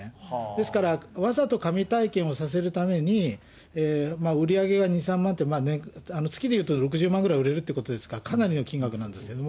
ですから、わざと神体験をさせるために、売り上げが２、３万って、月でいうと６０万ぐらい売れるということですから、かなりの金額なんですよね。